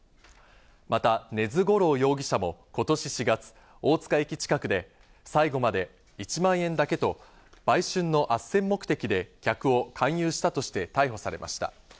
また根津五郎容疑者も今年４月、大塚駅近くで、最後まで１万円だけと売春のあっせん目的で客を勧誘したとして逮捕されました。